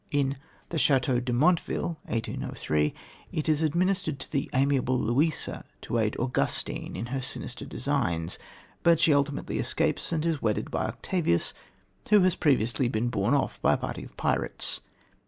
In The Chateau de Montville (1803) it is administered to the amiable Louisa to aid Augustine in his sinister designs, but she ultimately escapes, and is wedded by Octavius, who has previously been borne off by a party of pirates.